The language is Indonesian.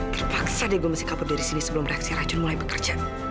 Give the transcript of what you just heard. terpaksa deh gue mesti kabur dari sini sebelum reaksi racun mulai bekerja